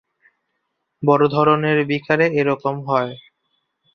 বড়ো ধরনের বিকারে এ-রকম হয়।